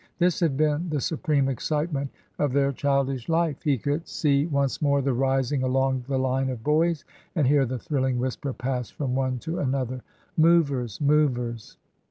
This had been the su preme excitement of their childish life. He could see once more the rising along the line of boys, and hear the thrilling whisper pass from one to another, Movers ! movers